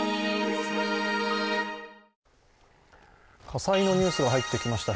火災のニュースが入ってきました。